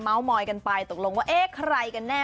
มอยกันไปตกลงว่าเอ๊ะใครกันแน่